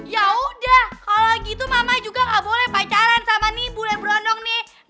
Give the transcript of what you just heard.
ya udah kalau gitu mama juga gak boleh pacaran sama nih boleh berondong nih